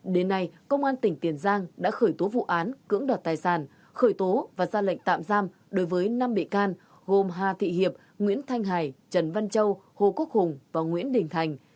đến nay công an tỉnh tiền giang đã khởi tố vụ án cưỡng đoạt tài sản khởi tố và ra lệnh tạm giam đối với năm bị can gồm hà thị hiệp nguyễn thanh hải trần văn châu hồ quốc hùng và nguyễn đình thành